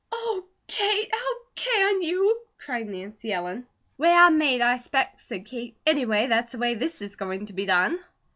'" "Oh, Kate, how can you!" cried Nancy Ellen. "Way I'm made, I 'spect," said Kate. "Anyway, that's the way this is going to be done."